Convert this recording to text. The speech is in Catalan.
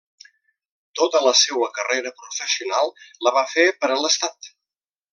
Tota la seua carrera professional la va fer per a l'Estat.